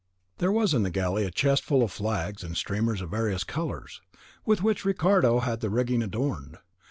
There was in the galley a chest full of flags and streamers of various colours, with which Ricardo had the rigging adorned.